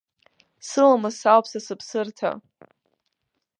Сыламыс ауп са сыԥсырҭа.